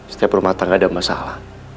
setiap rumah tangga ada masalah